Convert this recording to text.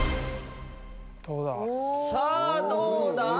さぁどうだ？